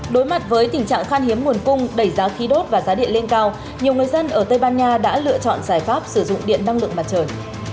đối mặt với tình trạng khan hiếm nguồn cung đẩy giá khí đốt và giá điện lên cao nhiều người dân ở tây ban nha đã lựa chọn giải pháp sử dụng điện năng lượng mặt trời